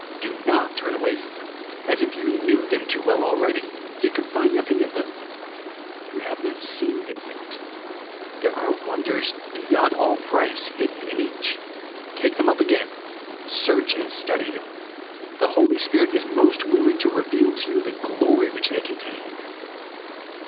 Do not turn away from them, as if you knew them too well already, yet could find nothing in them. You have not seen them yet. There are wonders beyond all price hidden in each. Take them up again. Search and study them. The Holy Spirit is most willing to reveal to you the glory which they contain.